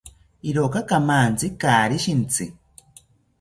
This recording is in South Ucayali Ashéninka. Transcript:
Iroka kamantzi kaari shintzi